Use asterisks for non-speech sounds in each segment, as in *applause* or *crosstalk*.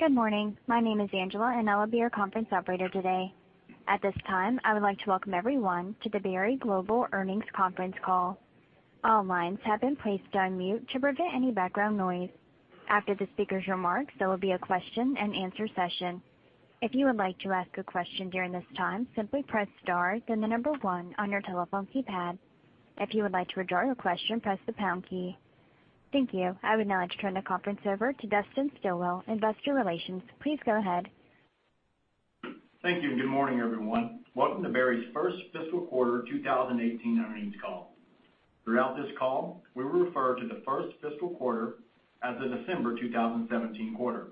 Good morning. My name is Angela, and I will be your conference operator today. At this time, I would like to welcome everyone to the Berry Global Earnings Conference Call. All lines have been placed on mute to prevent any background noise. After the speaker's remarks, there will be a question and answer session. If you would like to ask a question during this time, simply press star then the number one on your telephone keypad. If you would like to withdraw your question, press the pound key. Thank you. I would now like to turn the conference over to Dustin Stilwell, Investor Relations. Please go ahead. Thank you. Good morning, everyone. Welcome to Berry's first fiscal quarter 2018 earnings call. Throughout this call, we will refer to the first fiscal quarter as the December 2017 quarter.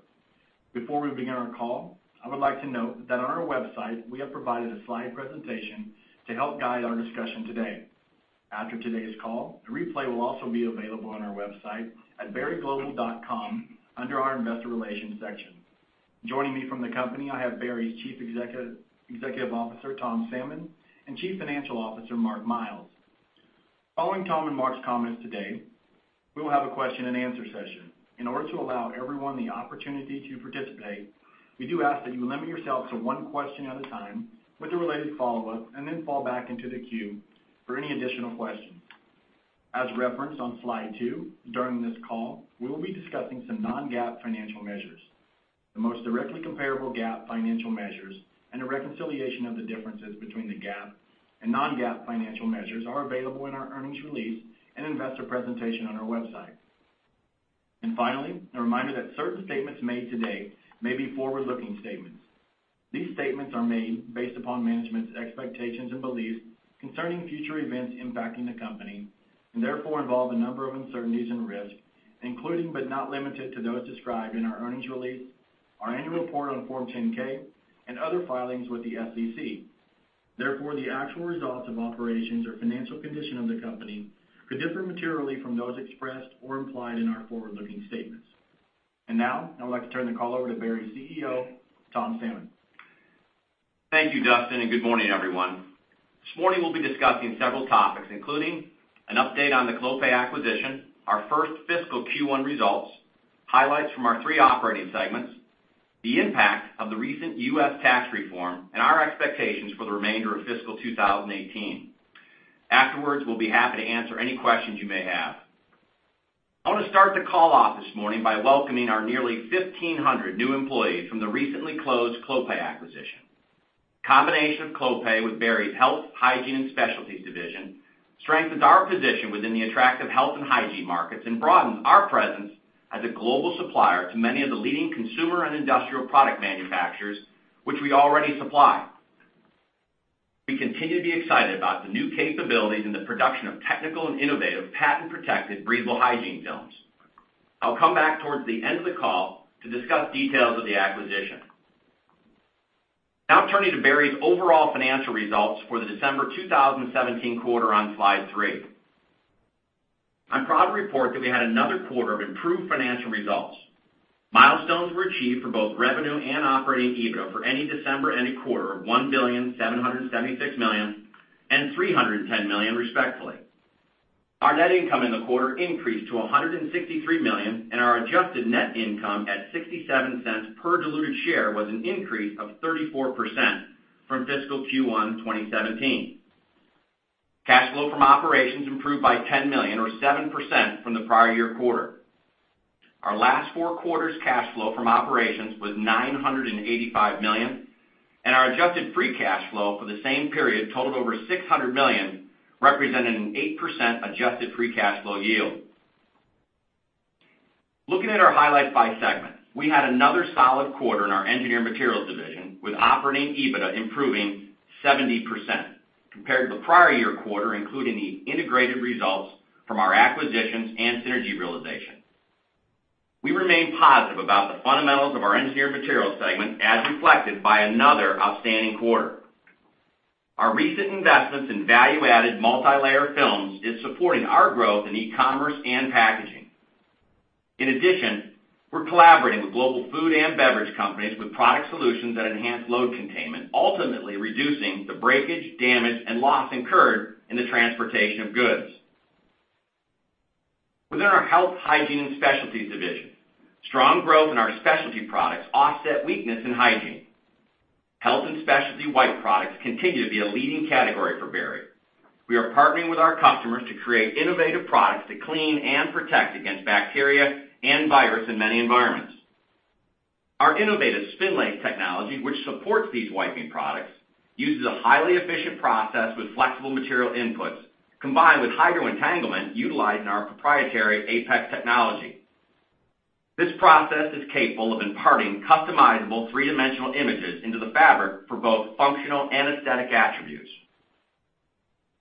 Before we begin our call, I would like to note that on our website, we have provided a slide presentation to help guide our discussion today. After today's call, the replay will also be available on our website at berryglobal.com under our Investor Relations section. Joining me from the company, I have Berry's Chief Executive Officer, Tom Salmon, and Chief Financial Officer, Mark Miles. Following Tom and Mark's comments today, we will have a question and answer session. In order to allow everyone the opportunity to participate, we do ask that you limit yourself to one question at a time with a related follow-up and then fall back into the queue for any additional questions. As referenced on slide two, during this call, we will be discussing some non-GAAP financial measures. The most directly comparable GAAP financial measures, and a reconciliation of the differences between the GAAP and non-GAAP financial measures are available in our earnings release and investor presentation on our website. Finally, a reminder that certain statements made today may be forward-looking statements. These statements are made based upon management's expectations and beliefs concerning future events impacting the company, and therefore involve a number of uncertainties and risks, including, but not limited to, those described in our earnings release, our annual report on Form 10-K and other filings with the SEC. Therefore, the actual results of operations or financial condition of the company could differ materially from those expressed or implied in our forward-looking statements. Now, I would like to turn the call over to Berry's CEO, Tom Salmon. Thank you, Dustin. Good morning, everyone. This morning, we'll be discussing several topics, including an update on the Clopay acquisition, our first fiscal Q1 results, highlights from our three operating segments, the impact of the recent U.S. tax reform, and our expectations for the remainder of fiscal 2018. Afterwards, we'll be happy to answer any questions you may have. I want to start the call off this morning by welcoming our nearly 1,500 new employees from the recently closed Clopay acquisition. The combination of Clopay with Berry's Health, Hygiene and Specialties division strengthens our position within the attractive health and hygiene markets and broadens our presence as a global supplier to many of the leading consumer and industrial product manufacturers, which we already supply. We continue to be excited about the new capabilities in the production of technical and innovative, patent-protected breathable hygiene films. I'll come back towards the end of the call to discuss details of the acquisition. Turning to Berry's overall financial results for the December 2017 quarter on slide three. I'm proud to report that we had another quarter of improved financial results. Milestones were achieved for both revenue and operating EBITDA for any December and a quarter of $1 billion, $776 million and $310 million, respectfully. Our net income in the quarter increased to $163 million, and our adjusted net income at $0.67 per diluted share was an increase of 34% from fiscal Q1 2017. Cash flow from operations improved by $10 million or 7% from the prior year quarter. Our last four quarters cash flow from operations was $985 million, and our adjusted free cash flow for the same period totaled over $600 million, representing an 8% adjusted free cash flow yield. Looking at our highlights by segment. We had another solid quarter in our Engineered Materials division, with operating EBITDA improving 70% compared to the prior year quarter, including the integrated results from our acquisitions and synergy realization. We remain positive about the fundamentals of our Engineered Materials segment, as reflected by another outstanding quarter. Our recent investments in value-added multilayer films is supporting our growth in e-commerce and packaging. In addition, we're collaborating with global food and beverage companies with product solutions that enhance load containment, ultimately reducing the breakage, damage, and loss incurred in the transportation of goods. Within our Health, Hygiene, and Specialties division, strong growth in our specialty products offset weakness in hygiene. Health and specialty wipe products continue to be a leading category for Berry. We are partnering with our customers to create innovative products to clean and protect against bacteria and virus in many environments. Our innovative Spinlace technology, which supports these wiping products, uses a highly efficient process with flexible material inputs, combined with hydroentanglement utilized in our proprietary APEX technology. This process is capable of imparting customizable three-dimensional images into the fabric for both functional and aesthetic attributes.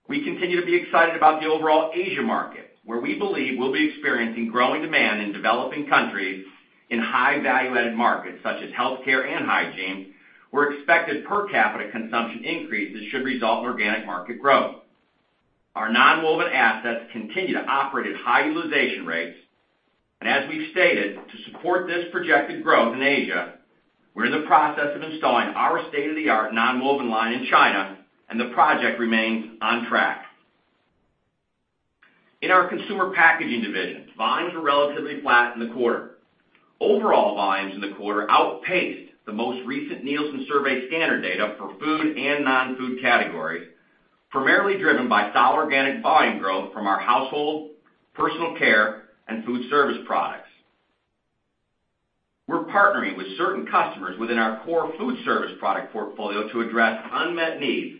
We continue to be excited about the overall Asia market, where we believe we'll be experiencing growing demand in developing countries in high value-added markets such as healthcare and hygiene, where expected per capita consumption increases should result in organic market growth. Our nonwoven assets continue to operate at high utilization rates, and as we've stated, to support this projected growth in Asia, we're in the process of installing our state-of-the-art nonwoven line in China, and the project remains on track. In our Consumer Packaging divisions, volumes were relatively flat in the quarter. Overall volumes in the quarter outpaced the most recent Nielsen survey scanner data for food and non-food categories, primarily driven by solid organic volume growth from our household, personal care, and food service products. We're partnering with certain customers within our core food service product portfolio to address unmet needs,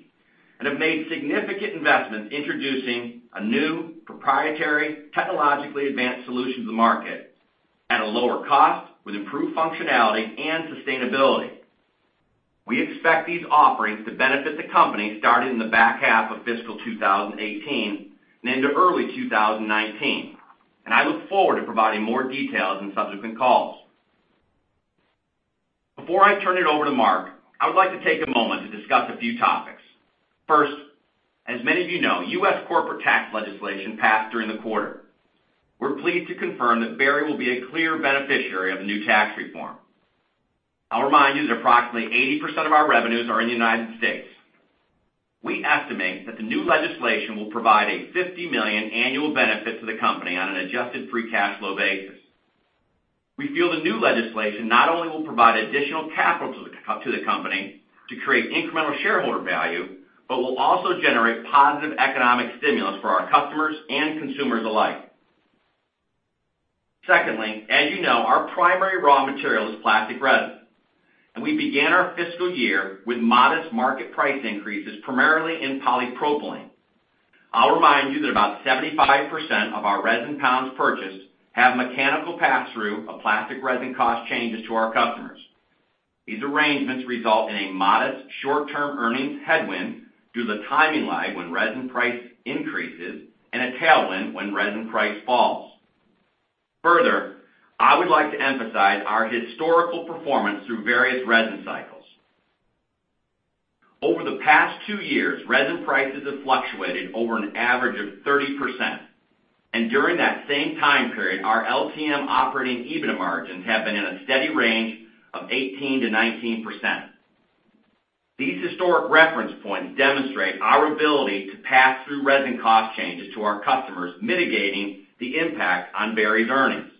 and have made significant investments introducing a new proprietary, technologically advanced solution to the market at a lower cost with improved functionality and sustainability. We expect these offerings to benefit the company starting in the back half of fiscal 2018 and into early 2019, and I look forward to providing more details in subsequent calls. Before I turn it over to Mark, I would like to take a moment to discuss a few topics. First, as many of you know, U.S. corporate tax legislation passed during the quarter. We're pleased to confirm that Berry will be a clear beneficiary of the new tax reform. I'll remind you that approximately 80% of our revenues are in the United States. We estimate that the new legislation will provide a $50 million annual benefit to the company on an adjusted free cash flow basis. We feel the new legislation not only will provide additional capital to the company to create incremental shareholder value, but will also generate positive economic stimulus for our customers and consumers alike. Secondly, as you know, our primary raw material is plastic resin, and we began our fiscal year with modest market price increases, primarily in polypropylene. I'll remind you that about 75% of our resin pounds purchased have mechanical pass-through of plastic resin cost changes to our customers. These arrangements result in a modest short-term earnings headwind due to the timing lag when resin price increases, and a tailwind when resin price falls. Further, I would like to emphasize our historical performance through various resin cycles. Over the past two years, resin prices have fluctuated over an average of 30%, and during that same time period, our LTM operating EBITDA margins have been in a steady range of 18%-19%. These historic reference points demonstrate our ability to pass through resin cost changes to our customers, mitigating the impact on Berry's earnings.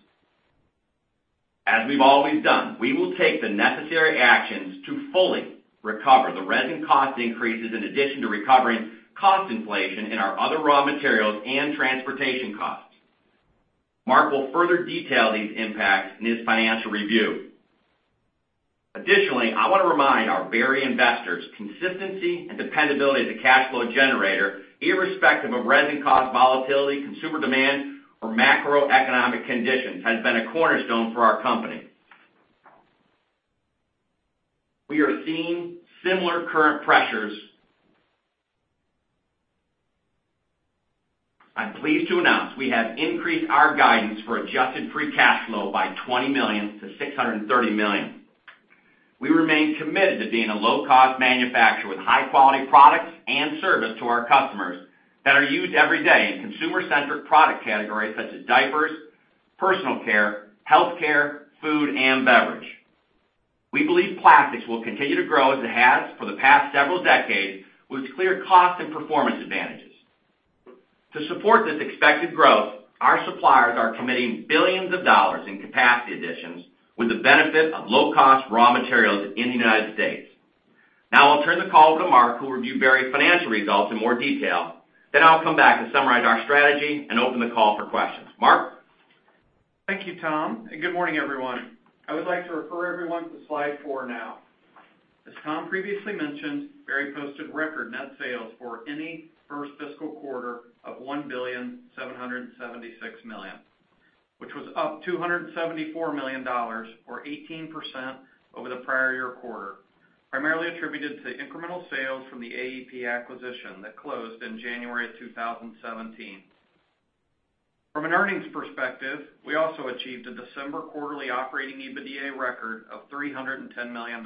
As we've always done, we will take the necessary actions to fully recover the resin cost increases in addition to recovering cost inflation in our other raw materials and transportation costs. Mark will further detail these impacts in his financial review. Additionally, I want to remind our Berry investors, consistency and dependability as a cash flow generator, irrespective of resin cost volatility, consumer demand, or macroeconomic conditions, has been a cornerstone for our company. We are seeing similar current pressures. I'm pleased to announce we have increased our guidance for adjusted free cash flow by $20 million to $630 million. We remain committed to being a low-cost manufacturer with high-quality products and service to our customers that are used every day in consumer-centric product categories such as diapers, personal care, healthcare, food, and beverage. We believe plastics will continue to grow as it has for the past several decades, with clear cost and performance advantages. To support this expected growth, our suppliers are committing billions of dollars in capacity additions with the benefit of low-cost raw materials in the United States. Now I'll turn the call over to Mark, who will review Berry's financial results in more detail. I'll come back to summarize our strategy and open the call for questions. Mark? Thank you, Tom, and good morning, everyone. I would like to refer everyone to slide four now. As Tom previously mentioned, Berry posted record net sales for any first fiscal quarter of $1,776 million, which was up $274 million, or 18% over the prior year quarter, primarily attributed to the incremental sales from the AEP acquisition that closed in January of 2017. From an earnings perspective, we also achieved a December quarterly operating EBITDA record of $310 million,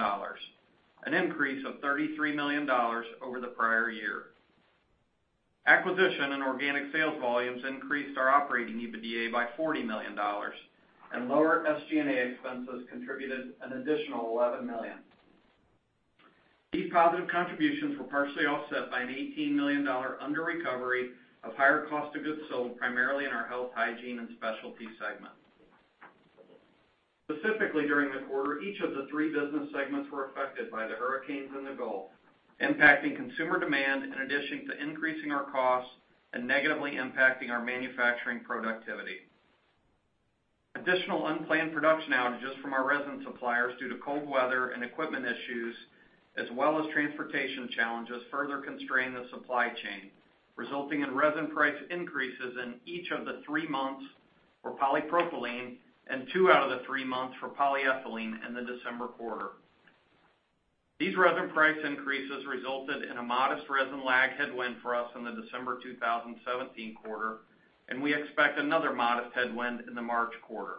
an increase of $33 million over the prior year. Acquisition and organic sales volumes increased our operating EBITDA by $40 million, and lower SG&A expenses contributed an additional $11 million. These positive contributions were partially offset by an $18 million under recovery of higher cost of goods sold, primarily in our Health, Hygiene and Specialties segment. Specifically during the quarter, each of the three business segments were affected by the hurricanes in the Gulf, impacting consumer demand in addition to increasing our costs and negatively impacting our manufacturing productivity. Additional unplanned production outages from our resin suppliers due to cold weather and equipment issues, as well as transportation challenges, further constrained the supply chain, resulting in resin price increases in each of the three months for polypropylene and two out of the three months for polyethylene in the December quarter. These resin price increases resulted in a modest resin lag headwind for us in the December 2017 quarter, and we expect another modest headwind in the March quarter.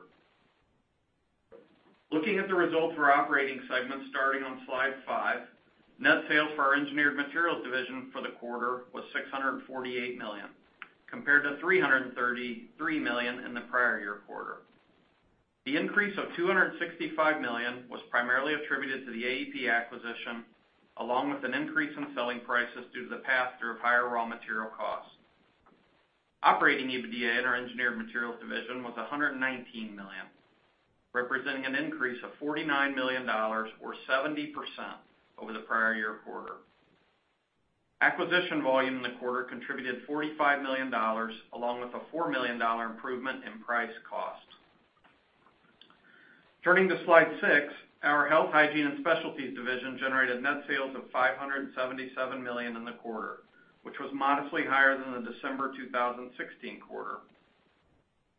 Looking at the results for operating segments starting on slide five, net sales for our Engineered Materials division for the quarter was $648 million, compared to $333 million in the prior year. The increase of $265 million was primarily attributed to the AEP acquisition, along with an increase in selling prices due to the pass-through of higher raw material costs. Operating EBITDA in our Engineered Materials division was $119 million, representing an increase of $49 million, or 70%, over the prior year quarter. Acquisition volume in the quarter contributed $45 million, along with a $4 million improvement in price cost. Turning to slide six, our Health, Hygiene and Specialties division generated net sales of $577 million in the quarter, which was modestly higher than the December 2016 quarter.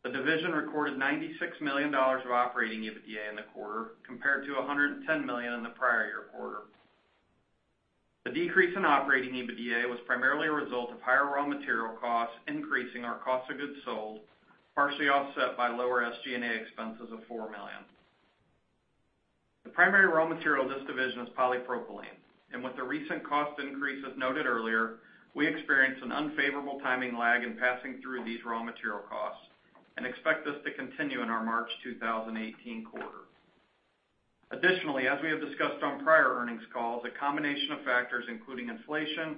The division recorded $96 million of operating EBITDA in the quarter, compared to $110 million in the prior year quarter. The decrease in operating EBITDA was primarily a result of higher raw material costs increasing our cost of goods sold, partially offset by lower SG&A expenses of $4 million. The primary raw material in this division is polypropylene. With the recent cost increases noted earlier, we experienced an unfavorable timing lag in passing through these raw material costs, and expect this to continue in our March 2018 quarter. Additionally, as we have discussed on prior earnings calls, a combination of factors including inflation,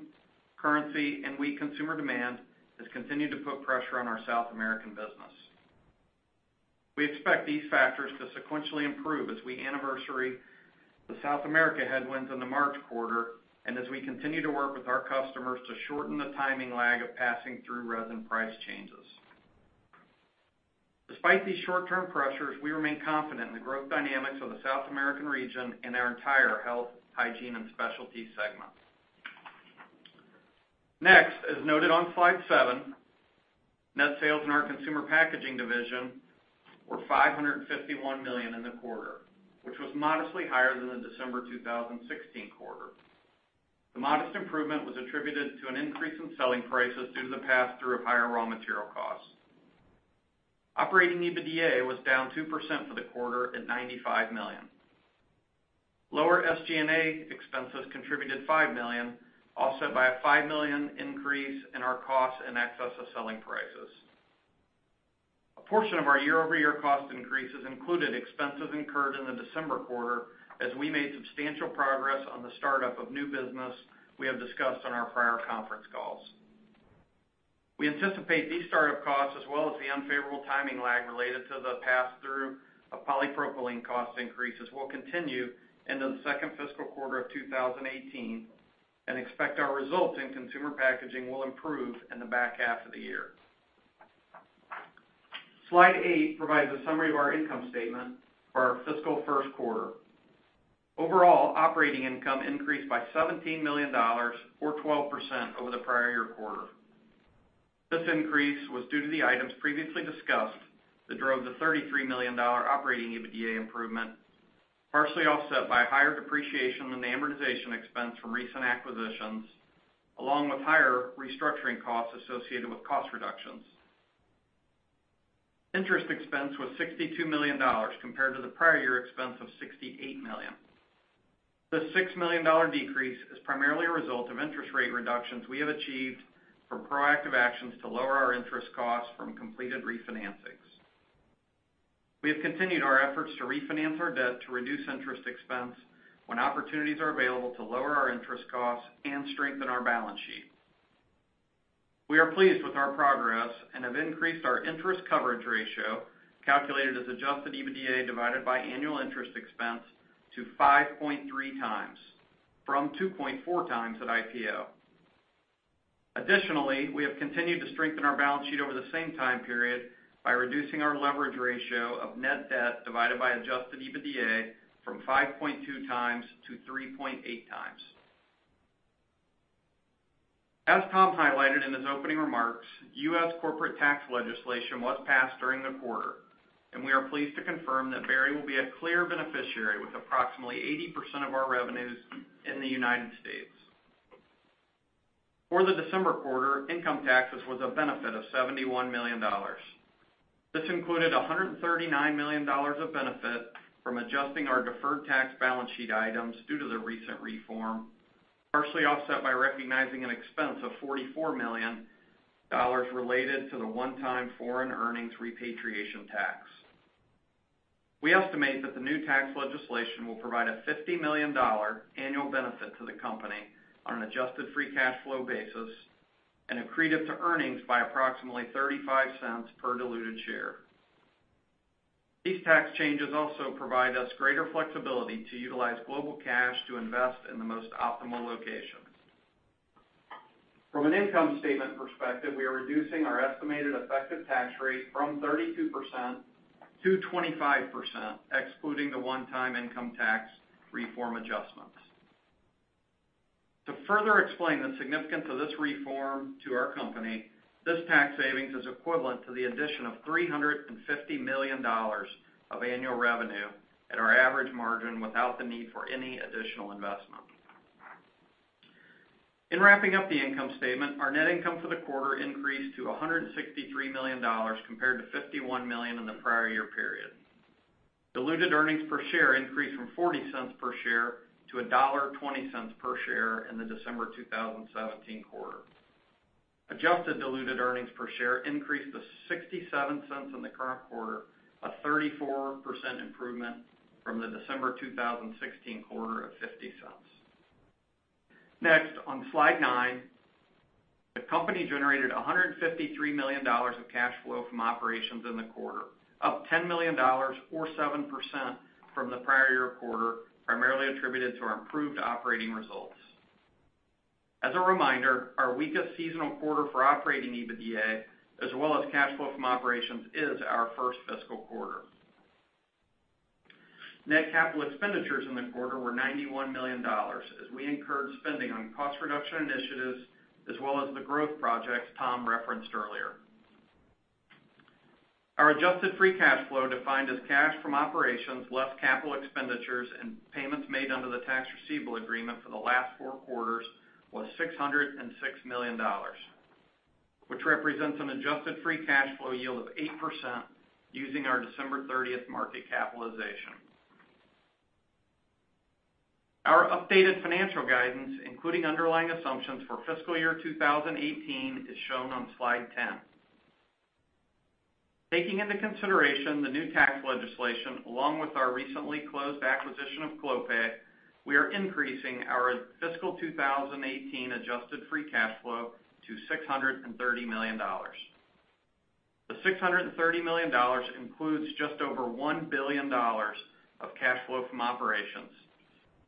currency, and weak consumer demand has continued to put pressure on our South American business. We expect these factors to sequentially improve as we anniversary the South America headwinds in the March quarter, and as we continue to work with our customers to shorten the timing lag of passing through resin price changes. Despite these short-term pressures, we remain confident in the growth dynamics of the South American region and our entire Health, Hygiene and Specialties segment. As noted on slide seven, net sales in our Consumer Packaging division were $551 million in the quarter, which was modestly higher than the December 2016 quarter. The modest improvement was attributed to an increase in selling prices due to the pass-through of higher raw material costs. Operating EBITDA was down 2% for the quarter at $95 million. Lower SG&A expenses contributed $5 million, offset by a $5 million increase in our cost in excess of selling prices. A portion of our year-over-year cost increases included expenses incurred in the December quarter as we made substantial progress on the startup of new business we have discussed on our prior conference calls. We anticipate these startup costs, as well as the unfavorable timing lag related to the pass-through of polypropylene cost increases, will continue into the second fiscal quarter of 2018, and expect our results in Consumer Packaging will improve in the back half of the year. Slide eight provides a summary of our income statement for our fiscal first quarter. Overall, operating income increased by $17 million, or 12%, over the prior year quarter. This increase was due to the items previously discussed that drove the $33 million operating EBITDA improvement, partially offset by higher depreciation and amortization expense from recent acquisitions, along with higher restructuring costs associated with cost reductions. Interest expense was $62 million compared to the prior year expense of $68 million. This $6 million decrease is primarily a result of interest rate reductions we have achieved from proactive actions to lower our interest costs from completed refinancings. We have continued our efforts to refinance our debt to reduce interest expense when opportunities are available to lower our interest costs and strengthen our balance sheet. We are pleased with our progress, and have increased our interest coverage ratio, calculated as adjusted EBITDA divided by annual interest expense, to 5.3 times from 2.4 times at IPO. Additionally, we have continued to strengthen our balance sheet over the same time period by reducing our leverage ratio of net debt divided by adjusted EBITDA from 5.2 times to 3.8 times. As Tom highlighted in his opening remarks, U.S. corporate tax legislation was passed during the quarter, and we are pleased to confirm that Berry will be a clear beneficiary with approximately 80% of our revenues in the U.S. For the December quarter, income taxes was a benefit of $71 million. This included $139 million of benefit from adjusting our deferred tax balance sheet items due to the recent reform, partially offset by recognizing an expense of $44 million related to the one-time foreign earnings repatriation tax. We estimate that the new tax legislation will provide a $50 million annual benefit to the company on an adjusted free cash flow basis, and accretive to earnings by approximately $0.35 per diluted share. These tax changes also provide us greater flexibility to utilize global cash to invest in the most optimal locations. From an income statement perspective, we are reducing our estimated effective tax rate from 32%-25%, excluding the one-time income tax reform adjustments. To further explain the significance of this reform to our company, this tax savings is equivalent to the addition of $350 million of annual revenue at our average margin without the need for any additional investment. In wrapping up the income statement, our net income for the quarter increased to $163 million compared to $51 million in the prior year period. Diluted earnings per share increased from $0.40 per share to $1.20 per share in the December 2017 quarter. Adjusted diluted earnings per share increased to $0.67 in the current quarter, a 34% improvement from the December 2016 quarter of $0.50. Next, on Slide 9. The company generated $153 million of cash flow from operations in the quarter, up $10 million or 7% from the prior year quarter, primarily attributed to our improved operating results. As a reminder, our weakest seasonal quarter for operating EBITDA as well as cash flow from operations is our first fiscal quarter. Net capital expenditures in the quarter were $91 million, as we incurred spending on cost reduction initiatives as well as the growth projects Tom referenced earlier. Our adjusted free cash flow, defined as cash from operations less capital expenditures and payments made under the tax receivable agreement for the last four quarters, was $606 million. It represents an adjusted free cash flow yield of 8% using our December 30th market capitalization. Our updated financial guidance, including underlying assumptions for fiscal year 2018, is shown on Slide 10. Taking into consideration the new tax legislation, along with our recently closed acquisition of Clopay, we are increasing our fiscal 2018 adjusted free cash flow to $630 million. The $630 million includes just over $1 billion of cash flow from operations,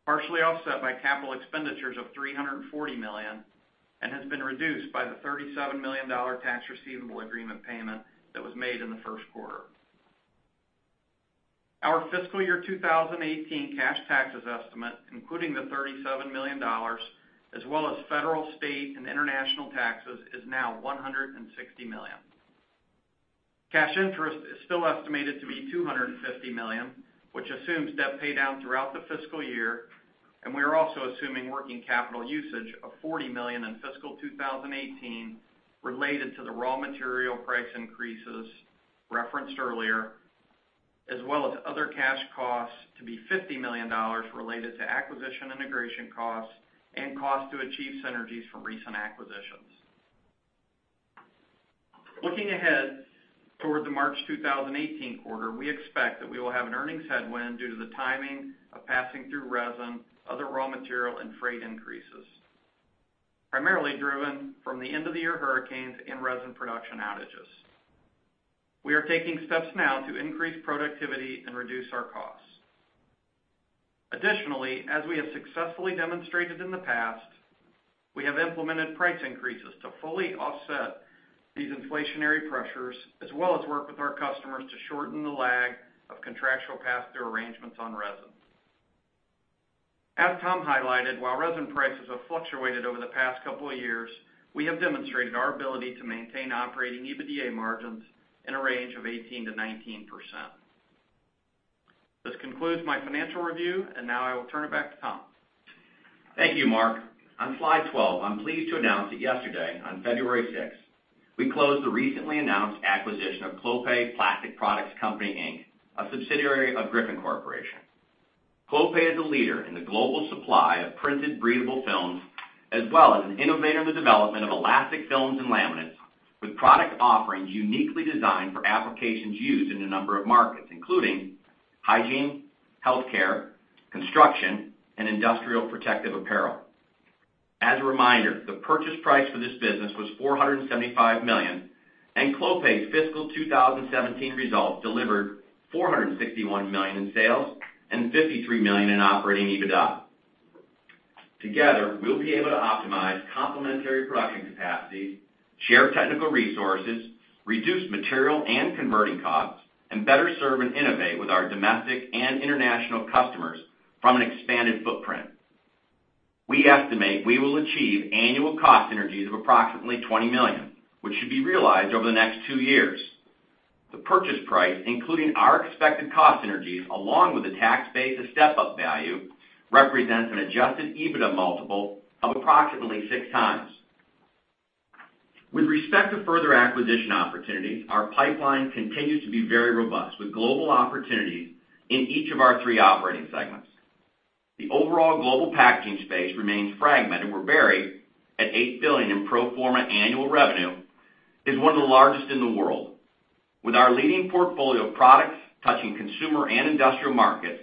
partially offset by capital expenditures of $340 million and has been reduced by the $37 million tax receivable agreement payment that was made in the first quarter. Our fiscal year 2018 cash taxes estimate, including the $37 million, as well as federal, state and international taxes, is now $160 million. Cash interest is still estimated to be $250 million, which assumes debt paydown throughout the fiscal year. We are also assuming working capital usage of $40 million in fiscal 2018 related to the raw material price increases referenced earlier, as well as other cash costs to be $50 million related to acquisition integration costs and costs to achieve synergies from recent acquisitions. Looking ahead towards the March 2018 quarter, we expect that we will have an earnings headwind due to the timing of passing through resin, other raw material and freight increases, primarily driven from the end-of-the-year hurricanes and resin production outages. We are taking steps now to increase productivity and reduce our costs. Additionally, as we have successfully demonstrated in the past, we have implemented price increases to fully offset these inflationary pressures, as well as work with our customers to shorten the lag of contractual pass-through arrangements on resin. As Tom highlighted, while resin prices have fluctuated over the past couple of years, we have demonstrated our ability to maintain operating EBITDA margins in a range of 18%-19%. This concludes my financial review. Now I will turn it back to Tom. Thank you, Mark. On Slide 12, I'm pleased to announce that yesterday, on February 6th, we closed the recently announced acquisition of Clopay Plastic Products Company, Inc., a subsidiary of Griffon Corporation. Clopay is a leader in the global supply of printed breathable films, as well as an innovator in the development of elastic films and laminates with product offerings uniquely designed for applications used in a number of markets, including hygiene, healthcare, construction, and industrial protective apparel. As a reminder, the purchase price for this business was $475 million, and Clopay's fiscal 2017 results delivered $461 million in sales and $53 million in operating EBITDA. Together, we'll be able to optimize complementary production capacity, share technical resources, reduce material and converting costs, and better serve and innovate with our domestic and international customers from an expanded footprint. We estimate we will achieve annual cost synergies of approximately $20 million, which should be realized over the next two years. The purchase price, including our expected cost synergies, along with the tax base, the step-up value, represents an adjusted EBITDA multiple of approximately six times. With respect to further acquisition opportunities, our pipeline continues to be very robust, with global opportunities in each of our three operating segments. The overall global packaging space remains fragment, where Berry, at $8 billion in pro forma annual revenue, is one of the largest in the world. With our leading portfolio of products touching consumer and industrial markets,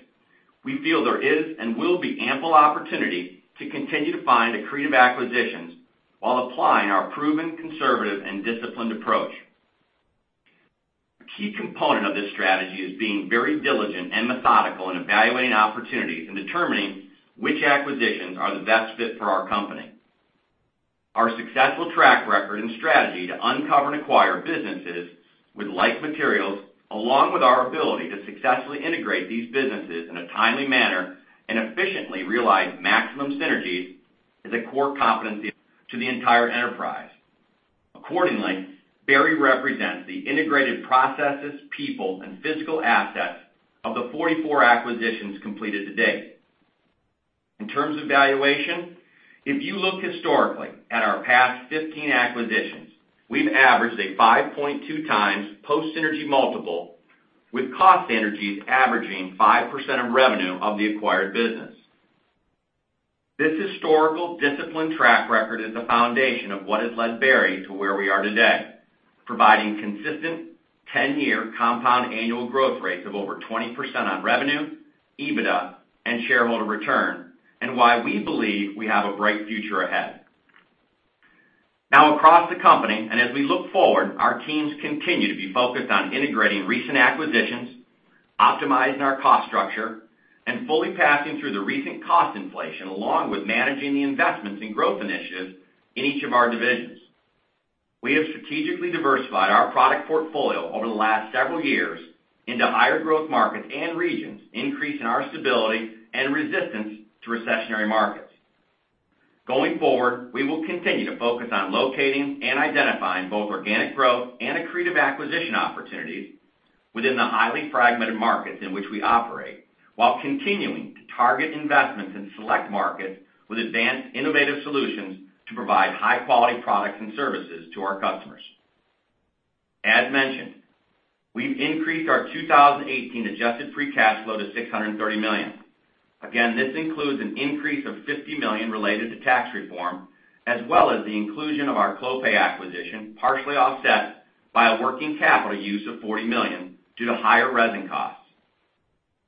we feel there is and will be ample opportunity to continue to find accretive acquisitions while applying our proven conservative and disciplined approach. A key component of this strategy is being very diligent and methodical in evaluating opportunities and determining which acquisitions are the best fit for our company. Our successful track record and strategy to uncover and acquire businesses with light materials, along with our ability to successfully integrate these businesses in a timely manner and efficiently realize maximum synergies, is a core competency to the entire enterprise. Accordingly, Berry represents the integrated processes, people, and physical assets of the 44 acquisitions completed to date. In terms of valuation, if you look historically at our past 15 acquisitions, we've averaged a 5.2 times post-synergy multiple with cost synergies averaging 5% of revenue of the acquired business. This historical discipline track record is the foundation of what has led Berry to where we are today, providing consistent 10-year compound annual growth rates of over 20% on revenue, EBITDA, and shareholder return, why we believe we have a bright future ahead. Now, across the company, as we look forward, our teams continue to be focused on integrating recent acquisitions, optimizing our cost structure, and fully passing through the recent cost inflation along with managing the investments in growth initiatives in each of our divisions. We have strategically diversified our product portfolio over the last several years into higher growth markets and regions, increasing our stability and resistance to recessionary markets. Going forward, we will continue to focus on locating and identifying both organic growth and accretive acquisition opportunities within the highly fragmented markets in which we operate, while continuing to target investments in select markets with advanced innovative solutions to provide high-quality products and services to our customers. As mentioned, we've increased our 2018 adjusted free cash flow to $630 million. Again, this includes an increase of $50 million related to tax reform, as well as the inclusion of our Clopay acquisition, partially offset by a working capital use of $40 million due to higher resin costs.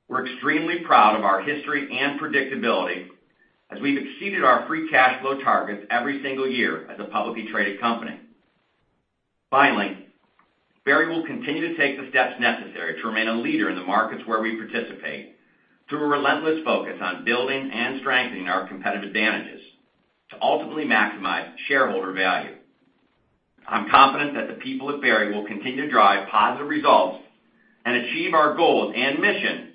We're extremely proud of our history and predictability, as we've exceeded our free cash flow targets every single year as a publicly traded company. Finally, Berry will continue to take the steps necessary to remain a leader in the markets where we participate through a relentless focus on building and strengthening our competitive advantages to ultimately maximize shareholder value. I'm confident that the people at Berry will continue to drive positive results and achieve our goals and mission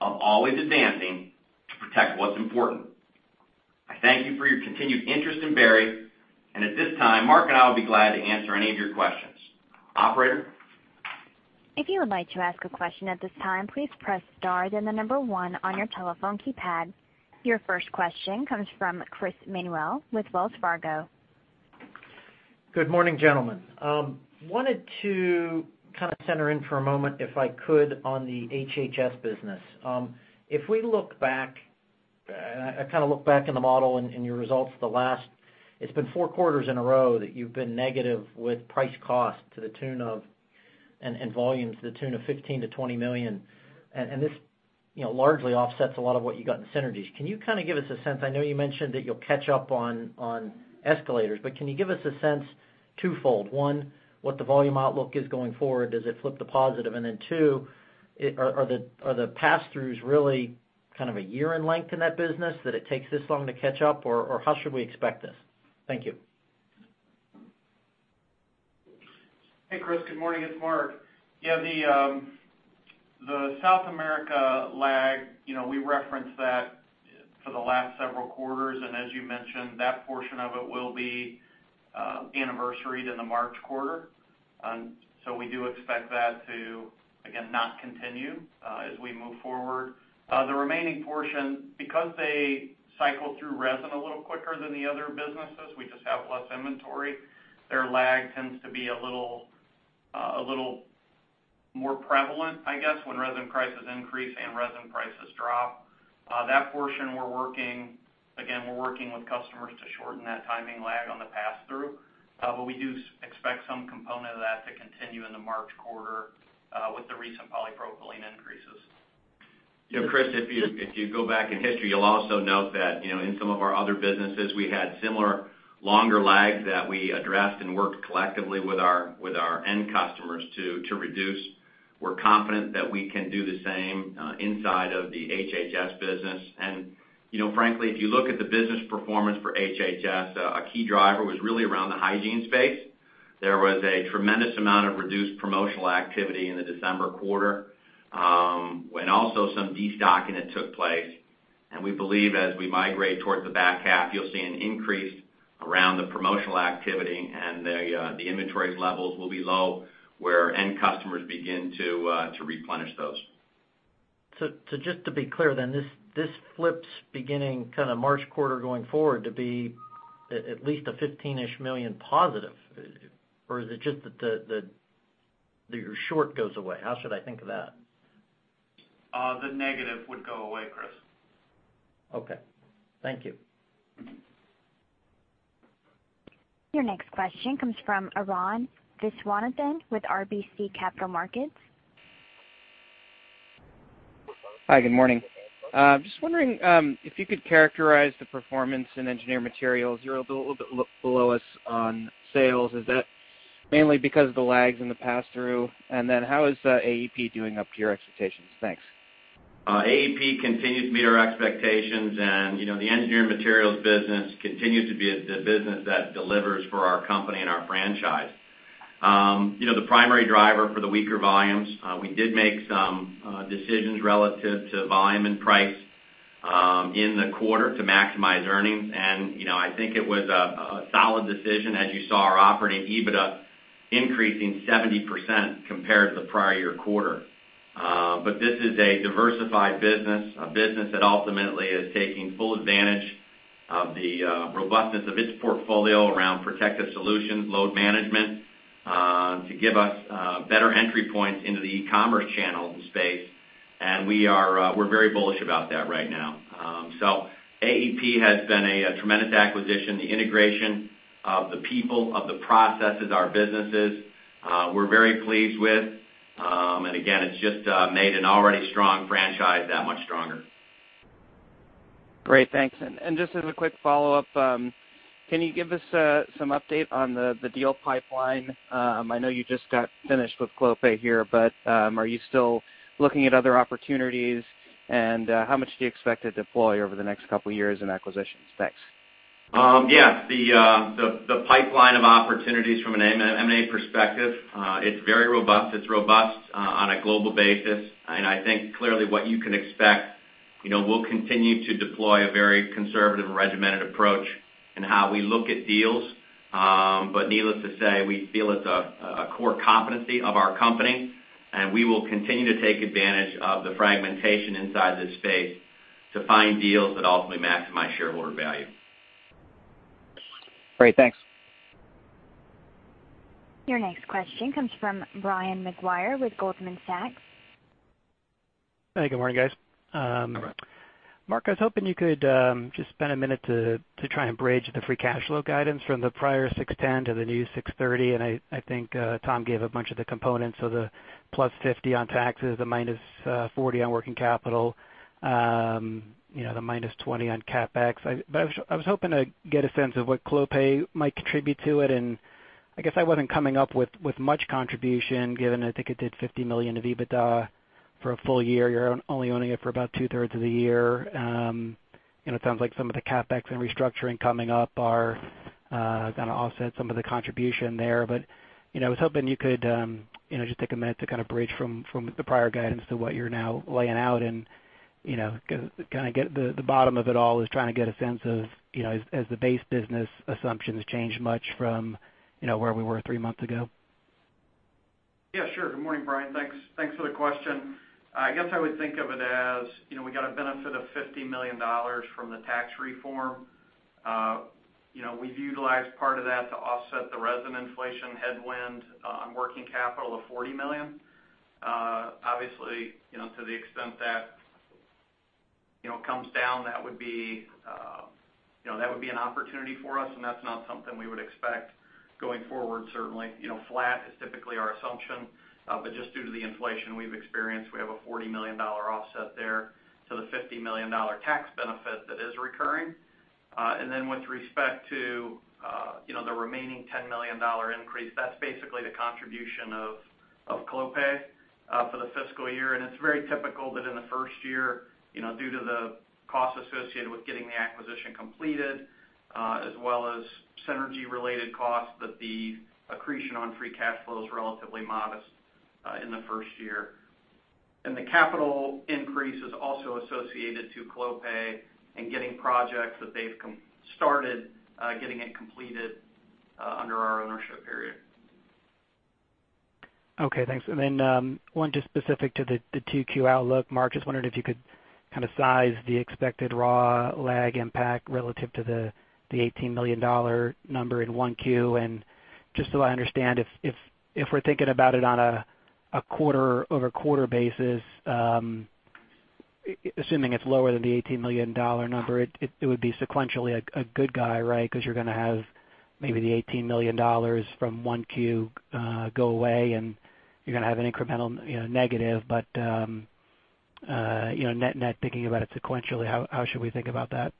of always advancing to protect what's important. I thank you for your continued interest in Berry. At this time, Mark and I will be glad to answer any of your questions. Operator? If you would like to ask a question at this time, please press star then the number 1 on your telephone keypad. Your first question comes from Chris Manuel with Wells Fargo. Good morning, gentlemen. I wanted to kind of center in for a moment, if I could, on the HHS business. If we look back, I kind of look back in the model and your results the last, it's been four quarters in a row that you've been negative with price cost and volumes to the tune of $15 million-$20 million. This largely offsets a lot of what you got in synergies. Can you kind of give us a sense, I know you mentioned that you'll catch up on escalators, but can you give us a sense twofold? One, what the volume outlook is going forward, does it flip to positive? Then two, are the pass-throughs really kind of a year in length in that business, that it takes this long to catch up, or how should we expect this? Thank you. Chris. Good morning. It's Mark. The South America lag, we referenced that for the last several quarters, and as you mentioned, that portion of it will be anniversaried in the March quarter. We do expect that to, again, not continue as we move forward. The remaining portion, because they cycle through resin a little quicker than the other businesses, we just have less inventory. Their lag tends to be a little more prevalent, I guess, when resin prices increase and resin prices drop. That portion, again, we're working with customers to shorten that timing lag on the pass-through. We do expect some component of that to continue in the March quarter with the recent polypropylene increases. Chris, if you go back in history, you'll also note that in some of our other businesses, we had similar longer lags that we addressed and worked collectively with our end customers to reduce. We're confident that we can do the same inside of the HHS business. Frankly, if you look at the business performance for HHS, a key driver was really around the hygiene space. There was a tremendous amount of reduced promotional activity in the December quarter, and also some destocking that took place. We believe as we migrate towards the back half, you'll see an increase around the promotional activity, and the inventory levels will be low, where end customers begin to replenish those. Just to be clear then, this flips beginning kind of March quarter going forward to be at least a $15-ish million positive, or is it just that your short goes away? How should I think of that? The negative would go away, Chris. Okay. Thank you. Your next question comes from Arun Viswanathan with RBC Capital Markets. Hi. Good morning. Just wondering if you could characterize the performance in Engineered Materials. You're a little bit below us on sales. Is that mainly because of the lags in the pass-through? How is AEP doing up to your expectations? Thanks. AEP continues to meet our expectations, the Engineered Materials business continues to be a business that delivers for our company and our franchise. The primary driver for the weaker volumes, we did make some decisions relative to volume and price in the quarter to maximize earnings. I think it was a solid decision as you saw our operating EBITDA increasing 70% compared to the prior year quarter. This is a diversified business, a business that ultimately is taking full advantage of the robustness of its portfolio around protective solutions, load management, to give us better entry points into the e-commerce channel space. We're very bullish about that right now. AEP has been a tremendous acquisition. The integration of the people, of the processes, our businesses, we're very pleased with. Again, it's just made an already strong franchise that much stronger. Great. Thanks. Just as a quick follow-up, can you give us some update on the deal pipeline? I know you just got finished with Clopay here, but, are you still looking at other opportunities? How much do you expect to deploy over the next couple of years in acquisitions? Thanks. Yeah. The pipeline of opportunities from an M&A perspective, it's very robust. It's robust on a global basis. I think clearly what you can expect, we'll continue to deploy a very conservative and regimented approach in how we look at deals. Needless to say, we feel it's a core competency of our company, and we will continue to take advantage of the fragmentation inside this space to find deals that ultimately maximize shareholder value. Great. Thanks. Your next question comes from Brian Maguire with Goldman Sachs. Hey, good morning, guys. Good morning. Mark, I was hoping you could just spend a minute to try and bridge the free cash flow guidance from the prior $610 to the new $630. I think Tom gave a bunch of the components. The +$50 on taxes, the -$40 on working capital, the -$20 on CapEx. I was hoping to get a sense of what Clopay might contribute to it. I guess I wasn't coming up with much contribution given, I think it did $50 million of EBITDA for a full year. You're only owning it for about two-thirds of the year. It sounds like some of the CapEx and restructuring coming up are going to offset some of the contribution there. I was hoping you could just take a minute to kind of bridge from the prior guidance to what you're now laying out and kind of get the bottom of it all, is trying to get a sense of, has the base business assumptions changed much from where we were three months ago? Yeah, sure. Good morning, Brian. Thanks for the question. I guess I would think of it as, we got a benefit of $50 million from the tax reform. We've utilized part of that to offset the resin inflation headwind on working capital of $40 million. Obviously, to the extent that comes down, that would be an opportunity for us, and that's not something we would expect going forward, certainly. Flat is typically our assumption. Just due to the inflation we've experienced, we have a $40 million offset there to the $50 million tax benefit that is recurring. With respect to the remaining $10 million increase, that's basically the contribution of Clopay for the fiscal year. It's very typical that in the first year, due to the costs associated with getting the acquisition completed, as well as synergy-related costs, that the accretion on free cash flow is relatively modest in the first year. The capital increase is also associated to Clopay and getting projects that they've started, getting it completed under our ownership period. Okay, thanks. One just specific to the 2Q outlook. Mark, just wondering if you could kind of size the expected raw lag impact relative to the $18 million number in 1Q. Just so I understand, if we're thinking about it on a over quarter basis, assuming it's lower than the $18 million number, it would be sequentially a good guy, right? Because you're going to have maybe the $18 million from 1Q go away and you're going to have an incremental negative. Net-net, thinking about it sequentially, how should we think about that?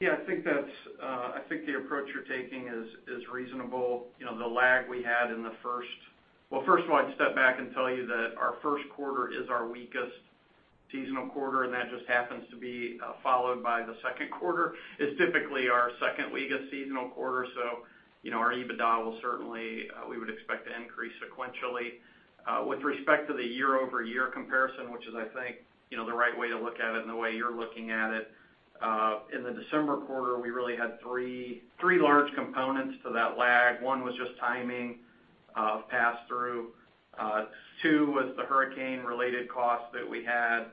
Yeah, I think the approach you're taking is reasonable. The lag we had in the first. Well, first of all, I'd step back and tell you that our first quarter is our weakest seasonal quarter, and that just happens to be followed by the second quarter, is typically our second weakest seasonal quarter. Our EBITDA will certainly, we would expect to increase sequentially. With respect to the year-over-year comparison, which is, I think the right way to look at it and the way you're looking at it, in the December quarter, we really had three large components to that lag. One was just timing of pass-through. Two was the hurricane-related costs that we had.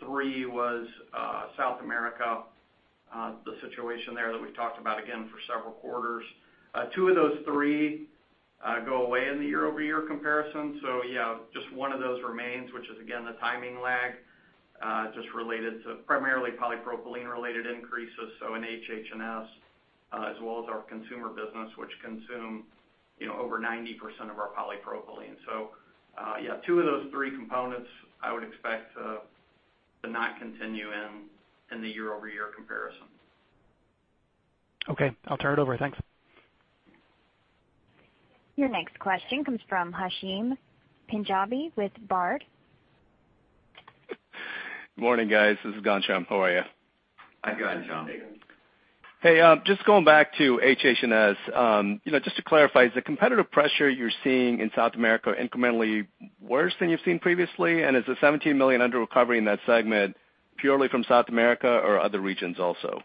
Three was South America, the situation there that we've talked about, again, for several quarters. Two of those three go away in the year-over-year comparison. yeah, just one of those remains, which is again, the timing lag, just related to primarily polypropylene-related increases, so in HH&S, as well as our consumer business, which consume over 90% of our polypropylene. yeah, two of those three components I would expect to not continue in the year-over-year comparison. Okay. I'll turn it over. Thanks. Your next question comes from Ghansham Panjabi with Baird. Morning, guys. This is Hashim. How are you? Hi, Hashim. Hey. Hey, just going back to HH&S. Just to clarify, is the competitive pressure you're seeing in South America incrementally worse than you've seen previously? Is the $17 million under recovery in that segment purely from South America or other regions also?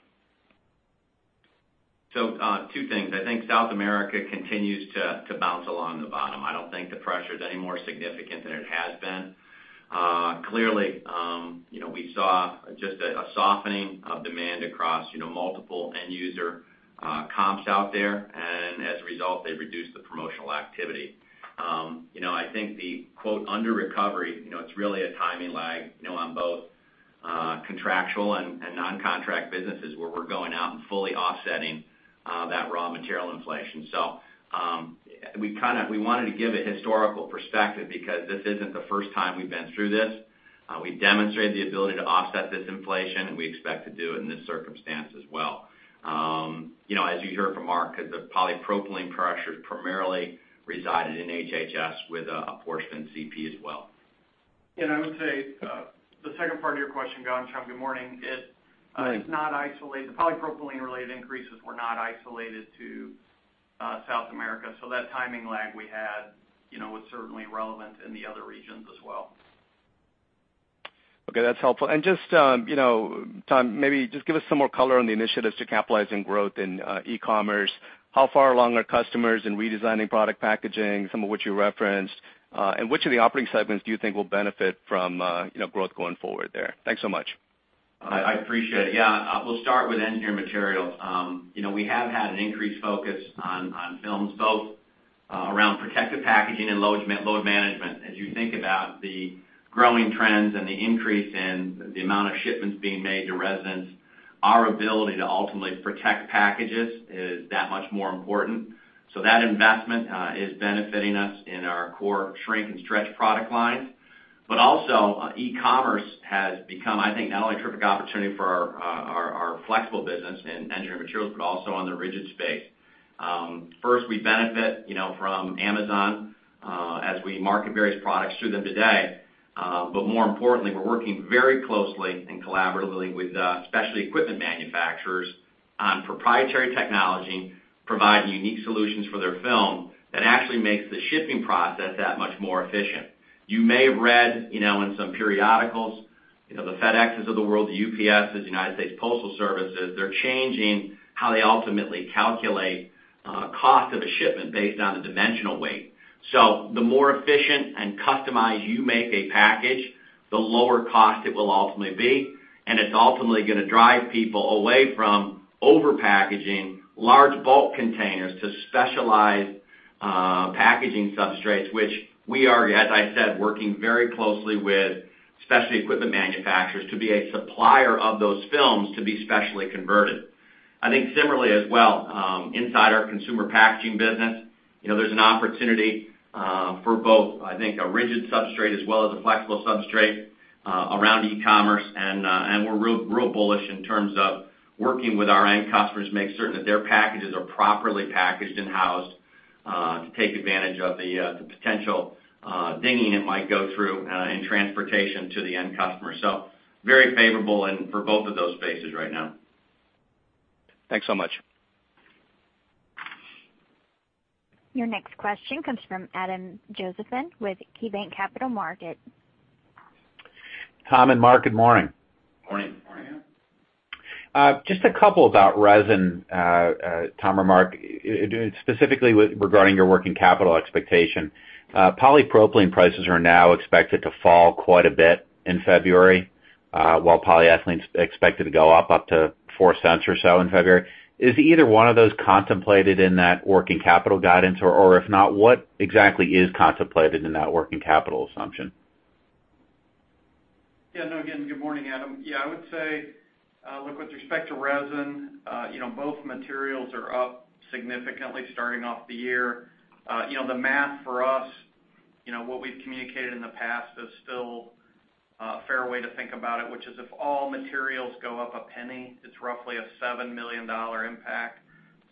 Two things. I think South America continues to bounce along the bottom. I don't think the pressure's any more significant than it has been. Clearly, we saw just a softening of demand across multiple end user comps out there. As a result, they've reduced the promotional activity. I think the "under recovery," it's really a timing lag on both contractual and non-contract businesses where we're going out and fully offsetting that raw material inflation. We wanted to give a historical perspective because this isn't the first time we've been through this. We demonstrated the ability to offset this inflation, and we expect to do it in this circumstance as well. As you heard from Mark, the polypropylene pressures primarily resided in HHS with a portion in CP as well. Yeah, I would say, the second part of your question, Ghansham, good morning. Hi. The polypropylene-related increases were not isolated to South America, that timing lag we had was certainly relevant in the other regions as well. Okay, that's helpful. Just, Tom, maybe just give us some more color on the initiatives to capitalizing growth in e-commerce. How far along are customers in redesigning product packaging, some of which you referenced? Which of the operating segments do you think will benefit from growth going forward there? Thanks so much. I appreciate it. Yeah, we'll start with Engineered Materials. We have had an increased focus on films both around protective packaging and load management. As you think about the growing trends and the increase in the amount of shipments being made to residents, our ability to ultimately protect packages is that much more important. That investment is benefiting us in our core shrink and stretch product lines. Also, e-commerce has become, I think, not only a terrific opportunity for our flexible business in Engineered Materials, but also on the rigid space. First, we benefit from Amazon as we market various products through them today. More importantly, we're working very closely and collaboratively with specialty equipment manufacturers on proprietary technology, providing unique solutions for their film that actually makes the shipping process that much more efficient. You may have read in some periodicals, the FedExes of the world, the UPS, the United States Postal Service, they're changing how they ultimately calculate cost of a shipment based on the dimensional weight. The more efficient and customized you make a package, the lower cost it will ultimately be, it's ultimately gonna drive people away from over-packaging large bulk containers to specialized packaging substrates, which we are, as I said, working very closely with specialty equipment manufacturers to be a supplier of those films to be specially converted. I think similarly as well, inside our Consumer Packaging business, there's an opportunity for both, I think, a rigid substrate as well as a flexible substrate around e-commerce, and we're real bullish in terms of working with our end customers to make certain that their packages are properly packaged and housed to take advantage of the potential dinging it might go through in transportation to the end customer. Very favorable and for both of those spaces right now. Thanks so much. Your next question comes from Adam Josephson with KeyBanc Capital Markets. Tom and Mark, good morning. Morning. Morning, Adam. Just a couple about resin, Tom or Mark, specifically regarding your working capital expectation. Polypropylene prices are now expected to fall quite a bit in February, while polyethylene's expected to go up to $0.04 or so in February. Is either one of those contemplated in that working capital guidance? Or if not, what exactly is contemplated in that working capital assumption? Yeah, no, again, good morning, Adam. Yeah, I would say, look, with respect to resin, both materials are up significantly starting off the year. The math for us, what we've communicated in the past is still a fair way to think about it, which is if all materials go up a penny, it's roughly a $7 million impact.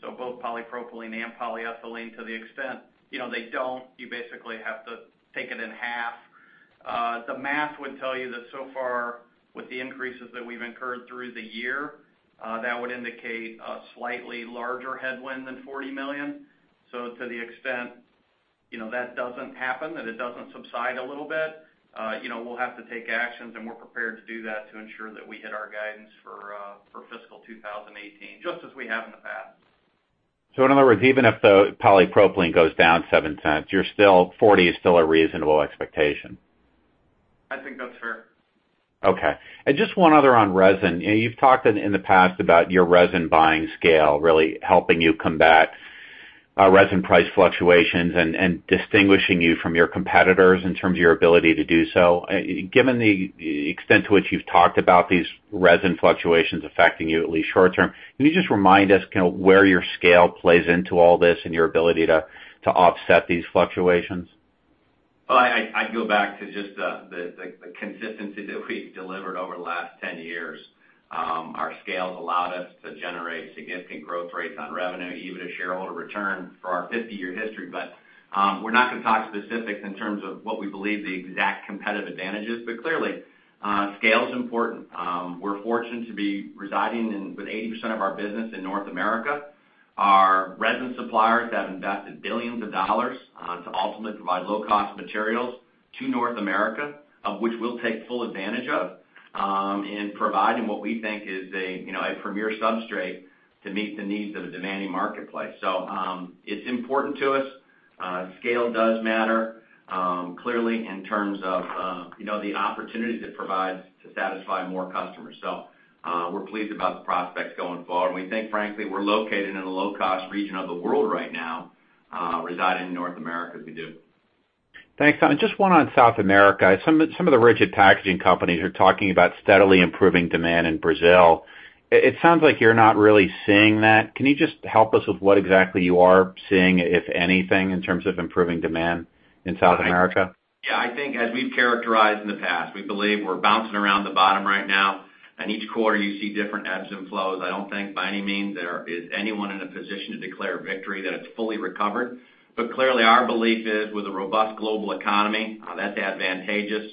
Both polypropylene and polyethylene to the extent they don't, you basically have to take it in half. The math would tell you that so far with the increases that we've incurred through the year, that would indicate a slightly larger headwind than $40 million. To the extent that doesn't happen, that it doesn't subside a little bit, we'll have to take actions, and we're prepared to do that to ensure that we hit our guidance for fiscal 2018, just as we have in the past. In other words, even if the polypropylene goes down $0.07, $40 is still a reasonable expectation? I think that's fair. Okay. Just one other on resin. You've talked in the past about your resin buying scale really helping you combat resin price fluctuations and distinguishing you from your competitors in terms of your ability to do so. Given the extent to which you've talked about these resin fluctuations affecting you, at least short term, can you just remind us where your scale plays into all this and your ability to offset these fluctuations? I'd go back to just the consistency that we've delivered over the last 10 years. Our scale's allowed us to generate significant growth rates on revenue, even a shareholder return for our 50-year history. We're not gonna talk specifics in terms of what we believe the exact competitive advantage is. Clearly, scale is important. We're fortunate to be residing with 80% of our business in North America. Our resin suppliers have invested billions of dollars to ultimately provide low-cost materials to North America, of which we'll take full advantage of in providing what we think is a premier substrate to meet the needs of a demanding marketplace. It's important to us. Scale does matter, clearly, in terms of the opportunities it provides to satisfy more customers. We're pleased about the prospects going forward. We think, frankly, we're located in a low-cost region of the world right now, residing in North America as we do. Thanks, Tom. Just one on South America. Some of the rigid packaging companies are talking about steadily improving demand in Brazil. It sounds like you're not really seeing that. Can you just help us with what exactly you are seeing, if anything, in terms of improving demand in South America? Yeah. I think as we've characterized in the past, we believe we're bouncing around the bottom right now. In each quarter, you see different ebbs and flows. I don't think, by any means, there is anyone in a position to declare victory that it's fully recovered. Clearly, our belief is with a robust global economy, that's advantageous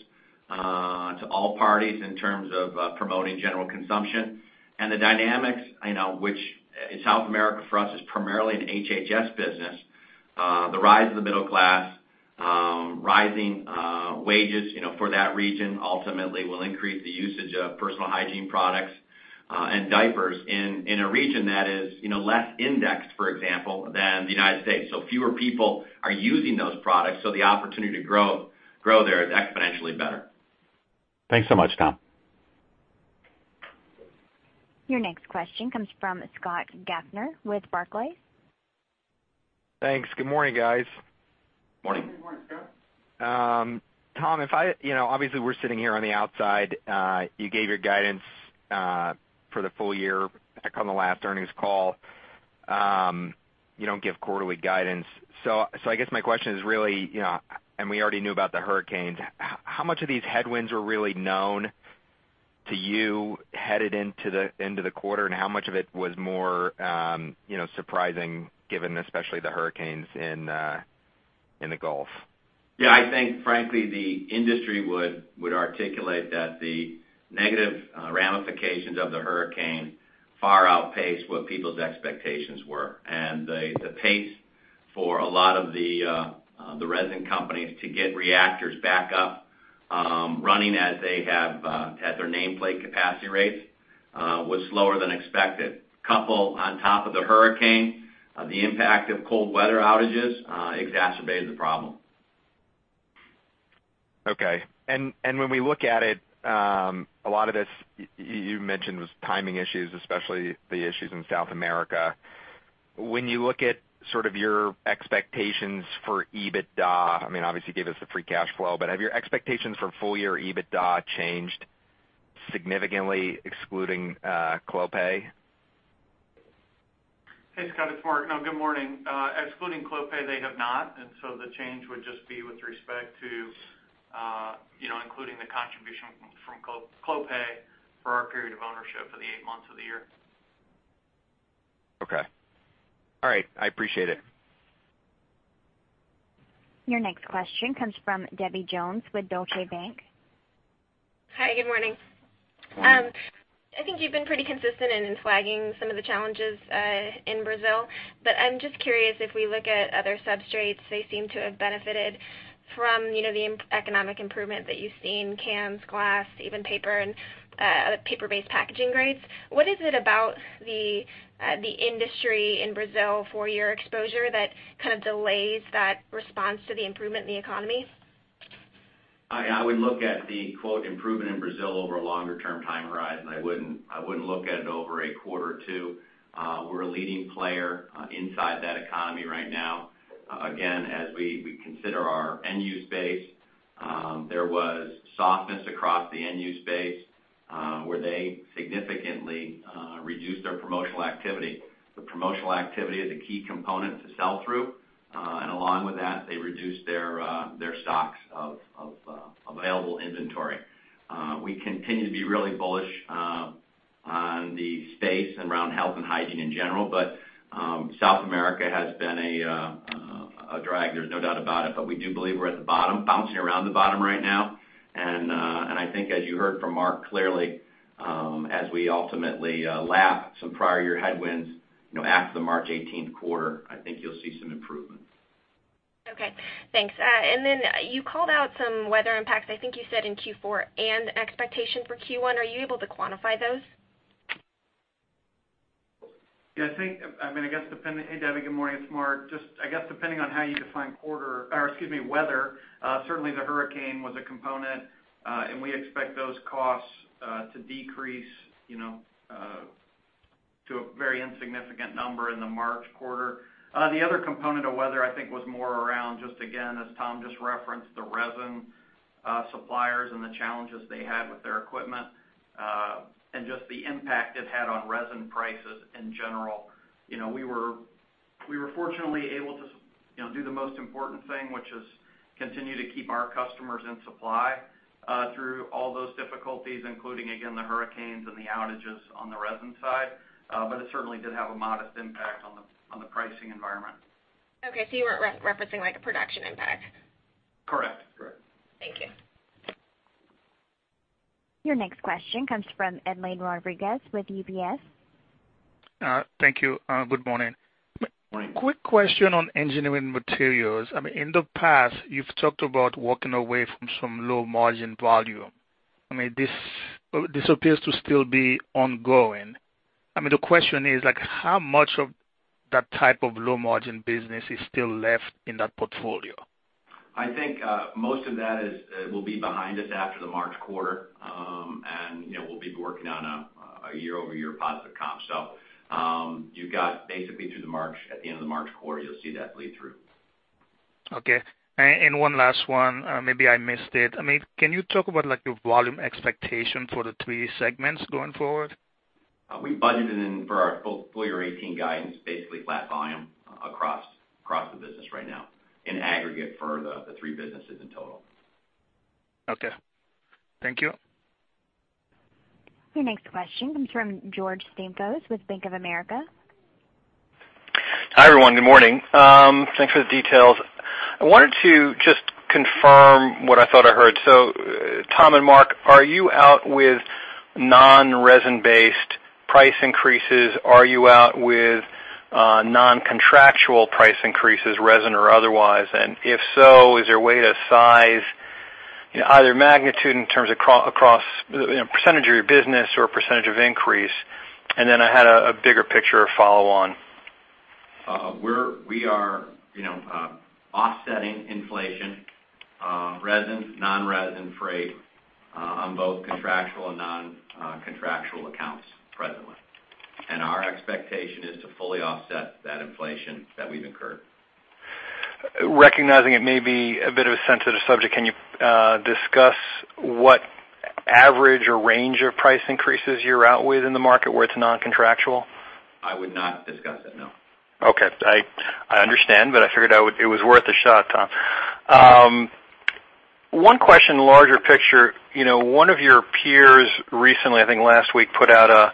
to all parties in terms of promoting general consumption. The dynamics, which in South America for us is primarily an HHS business. The rise of the middle class, rising wages for that region ultimately will increase the usage of personal hygiene products and diapers in a region that is less indexed, for example, than the U.S. Fewer people are using those products, so the opportunity to grow there is exponentially better. Thanks so much, Tom. Your next question comes from Scott Gaffner with Barclays. Thanks. Good morning, guys. Morning. Good morning, Scott. Tom, obviously, we're sitting here on the outside. You gave your guidance for the full year back on the last earnings call. You don't give quarterly guidance. I guess my question is really, we already knew about the hurricanes, how much of these headwinds were really known to you headed into the end of the quarter, and how much of it was more surprising given especially the hurricanes in the Gulf? Yeah, I think frankly, the industry would articulate that the negative ramifications of the hurricane far outpaced what people's expectations were. The pace for a lot of the resin companies to get reactors back up running as their nameplate capacity rates was slower than expected. Couple, on top of the hurricane, the impact of cold weather outages exacerbated the problem. Okay. When we look at it, a lot of this you mentioned was timing issues, especially the issues in South America. When you look at sort of your expectations for EBITDA, I mean, obviously you gave us the free cash flow, have your expectations for full year EBITDA changed significantly, excluding Clopay? Hey, Scott, it's Mark. No, good morning. Excluding Clopay, they have not. The change would just be with respect to including the contribution from Clopay for our period of ownership for the eight months of the year. Okay. All right. I appreciate it. Your next question comes from Debbie Jones with Deutsche Bank. Hi, good morning. Good morning. I think you've been pretty consistent in flagging some of the challenges in Brazil. I'm just curious if we look at other substrates, they seem to have benefited from the economic improvement that you've seen, cans, glass, even paper and paper-based packaging grades. What is it about the industry in Brazil for your exposure that kind of delays that response to the improvement in the economy? I would look at the, quote, "improvement in Brazil over a longer-term time horizon." I wouldn't look at it over a quarter or two. We're a leading player inside that economy right now. Again, as we consider our end-use base, there was softness across the end-use base, where they significantly reduced their promotional activity. The promotional activity is a key component to sell through. Along with that, they reduced their stocks of available inventory. We continue to be really bullish on the space and around health and hygiene in general. South America has been a drag, there's no doubt about it. We do believe we're at the bottom, bouncing around the bottom right now. I think as you heard from Mark, clearly, as we ultimately lap some prior year headwinds after the March 18th quarter, I think you'll see some improvement. Okay, thanks. Then you called out some weather impacts, I think you said in Q4, and expectation for Q1. Are you able to quantify those? Yeah. Hey, Debbie, good morning. It's Mark. I guess depending on how you define weather, certainly the hurricane was a component. We expect those costs to decrease to a very insignificant number in the March quarter. The other component of weather, I think, was more around just, again, as Tom just referenced, the resin suppliers and the challenges they had with their equipment, and just the impact it had on resin prices in general. We were fortunately able to do the most important thing, which is continue to keep our customers in supply through all those difficulties, including, again, the hurricanes and the outages on the resin side. It certainly did have a modest impact on the pricing environment. Okay, you weren't referencing like a production impact? Correct. Your next question comes from Edlain Rodriguez with UBS. Thank you. Good morning. Quick question on Engineered Materials. In the past, you've talked about walking away from some low margin volume. This appears to still be ongoing. The question is, how much of that type of low margin business is still left in that portfolio? I think most of that will be behind us after the March quarter, and we'll be working on a year-over-year positive comp. You got basically through the March, at the end of the March quarter, you'll see that bleed through. Okay. One last one, maybe I missed it. Can you talk about your volume expectation for the three segments going forward? We budgeted in for our full year 2018 guidance, basically flat volume across the business right now in aggregate for the three businesses in total. Okay. Thank you. Your next question comes from George Staphos with Bank of America. Hi, everyone. Good morning. Thanks for the details. I wanted to just confirm what I thought I heard. Tom and Mark, are you out with non-resin-based price increases? Are you out with non-contractual price increases, resin or otherwise? If so, is there a way to size either magnitude in terms of percentage of your business or percentage of increase? I had a bigger picture follow on. We are offsetting inflation, resin, non-resin, freight, on both contractual and non-contractual accounts presently. Our expectation is to fully offset that inflation that we've incurred. Recognizing it may be a bit of a sensitive subject, can you discuss what average or range of price increases you're out with in the market where it's non-contractual? I would not discuss that, no. Okay. I understand, I figured it was worth a shot, Tom. One question, larger picture. One of your peers recently, I think last week, put out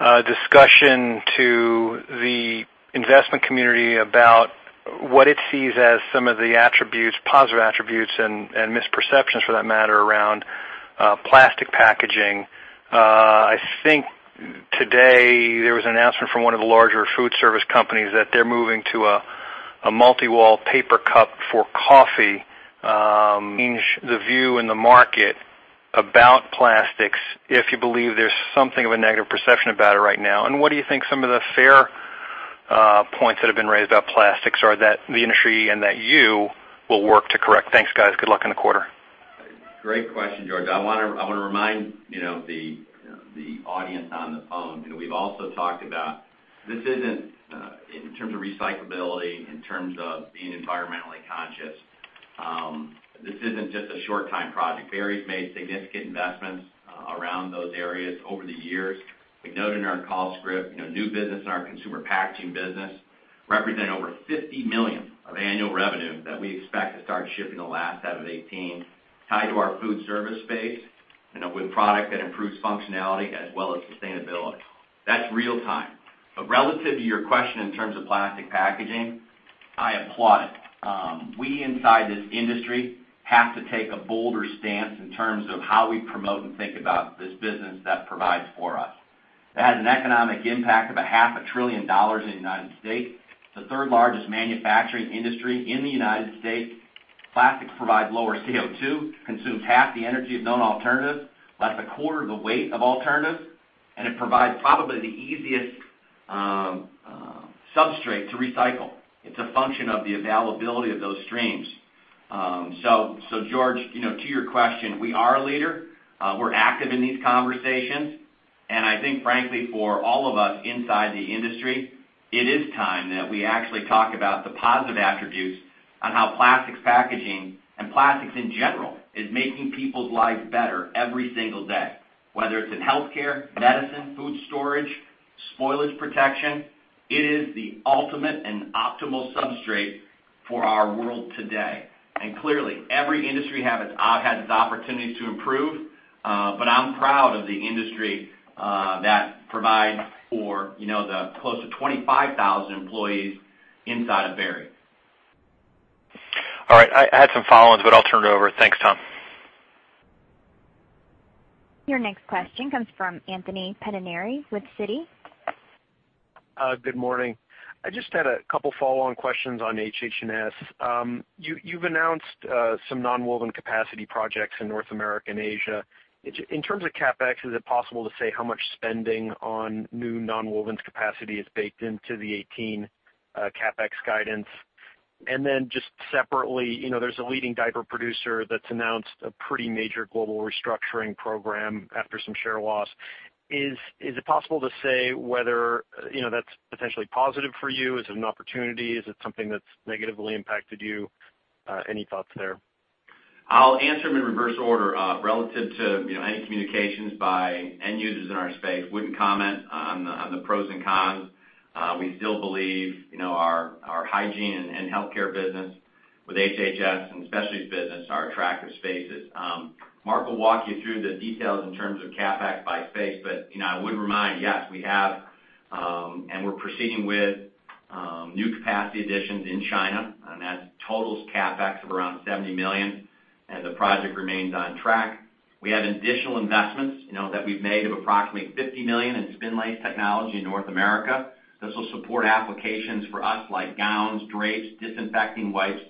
a discussion to the investment community about what it sees as some of the positive attributes, and misperceptions for that matter, around plastic packaging. I think today there was an announcement from one of the larger food service companies that they're moving to a multi-wall paper cup for coffee. Change the view in the market about plastics, if you believe there's something of a negative perception about it right now? What do you think some of the fair points that have been raised about plastics are that the industry and that you will work to correct? Thanks, guys. Good luck in the quarter. Great question, George. I want to remind the audience on the phone, we've also talked about this isn't, in terms of recyclability, in terms of being environmentally conscious, this isn't just a short time project. Berry's made significant investments around those areas over the years. We've noted in our call script, new business in our Consumer Packaging business represent over $50 million of annual revenue that we expect to start shipping the last half of 2018, tied to our food service space, with product that improves functionality as well as sustainability. That's real time. Relative to your question in terms of plastic packaging, I applaud it. We inside this industry have to take a bolder stance in terms of how we promote and think about this business that provides for us. It has an economic impact of a half a trillion dollars in the U.S., the third largest manufacturing industry in the U.S. Plastics provide lower CO2, consumes half the energy of known alternatives, less a quarter of the weight of alternatives, and it provides probably the easiest substrate to recycle. It's a function of the availability of those streams. George, to your question, we are a leader. We're active in these conversations, and I think frankly, for all of us inside the industry, it is time that we actually talk about the positive attributes on how plastics packaging and plastics in general is making people's lives better every single day, whether it's in healthcare, medicine, food storage, spoilage protection. It is the ultimate and optimal substrate for our world today. Clearly, every industry has its opportunities to improve. I'm proud of the industry that provides for the close to 25,000 employees inside of Berry. All right. I had some follow-ons, I'll turn it over. Thanks, Tom. Your next question comes from Anthony Pettinari with Citi. Good morning. I just had a couple follow-on questions on HH&S. You've announced some nonwoven capacity projects in North America and Asia. In terms of CapEx, is it possible to say how much spending on new nonwovens capacity is baked into the 2018 CapEx guidance? Just separately, there's a leading diaper producer that's announced a pretty major global restructuring program after some share loss. Is it possible to say whether that's potentially positive for you? Is it an opportunity? Is it something that's negatively impacted you? Any thoughts there? I'll answer them in reverse order. Relative to any communications by end users in our space, wouldn't comment on the pros and cons. We still believe our hygiene and healthcare business with HH&S and Specialties business are attractive spaces. Mark will walk you through the details in terms of CapEx by space. I would remind, yes, we're proceeding with new capacity additions in China, and that totals CapEx of around $70 million, and the project remains on track. We have additional investments that we've made of approximately $50 million in Spinlace technology in North America. This will support applications for us like gowns, drapes, disinfecting wipes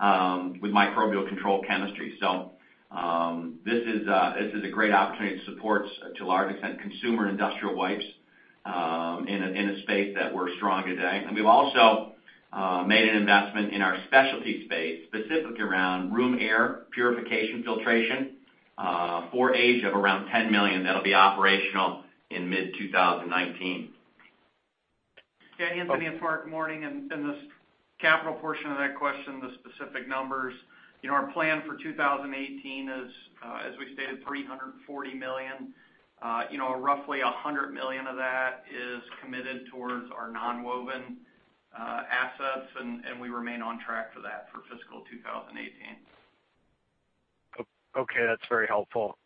with microbial control chemistry. This is a great opportunity. It supports, to a large extent, consumer industrial wipes in a space that we're strong today. We've also made an investment in our specialty space, specifically around room air purification filtration for Asia of around $10 million that'll be operational in mid-2019. *audio distortion* it's Mark. Morning. In this capital portion of that question, the specific numbers, our plan for 2018 is, as we stated, $340 million. Roughly $100 million of that is committed towards our nonwoven assets. We remain on track for that for fiscal 2018. Okay. That's very helpful.